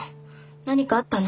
何かあったの？